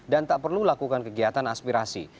dan tak perlu lakukan kegiatan aspirasi